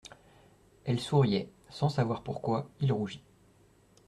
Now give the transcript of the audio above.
Elle souriait ; sans savoir pourquoi, il rougit.